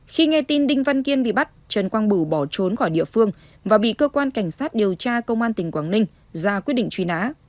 khi nghe tin đinh văn kiên bị bắt trần quang bửu bỏ trốn khỏi địa phương và bị cơ quan cảnh sát điều tra công an tỉnh quảng ninh ra quyết định truy nã